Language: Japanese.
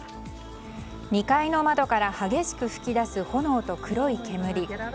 ２階の窓から激しく噴き出す炎と黒い煙。